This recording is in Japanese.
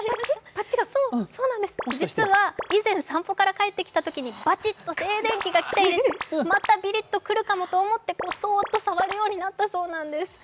実は以前、散歩から帰ってきたときに静電気が来たのでまたビリッとくるかもと思ってそーっと触るようになったんです。